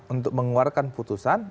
untuk mengeluarkan putusan